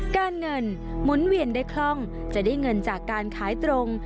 การเงินหมุนเวียนได้คล่องจะได้เงินจากการขายตรง